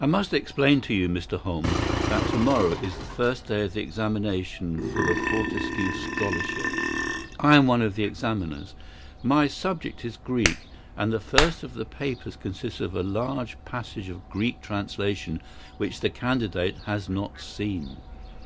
"I must explain to you, Mr. Holmes, that to morrow is the first day of the examination for the Fortescue Scholarship. I am one of the examiners. My subject is Greek, and the first of the papers consists of a large passage of Greek translation which the candidate has not seen.